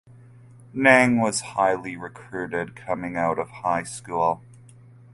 Niang was highly recruited coming out of high school.